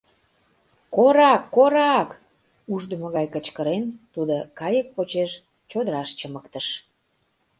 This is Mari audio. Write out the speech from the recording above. — Корак, корак! — ушдымо гай кычкырен, тудо кайык почеш чодыраш чымыктыш.